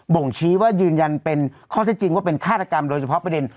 โบ่งชี้ว่ายืนยัน๑๙๙๒นเป็นคาตกรรมโดยเฉพาะประเด็น